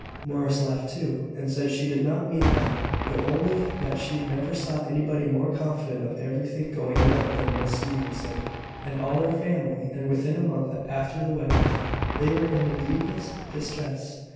Morris laughed too, and said she did not mean that, but only that she never saw anybody more confident of everything going right than Miss Stevenson and all her family; and within a month after the wedding, they were in the deepest distress.